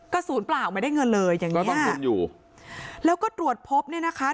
ศูนย์เปล่าไม่ได้เงินเลยอย่างงี้ลงทุนอยู่แล้วก็ตรวจพบเนี่ยนะคะ